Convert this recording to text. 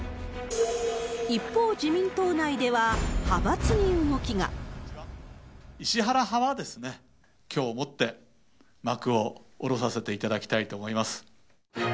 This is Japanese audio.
一方、石原派は、きょうをもって幕を下ろさせていただきたいと思います。